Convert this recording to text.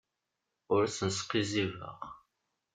Ur asen-sqizzibeɣ.